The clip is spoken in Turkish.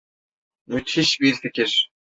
Müthiş bir fikir.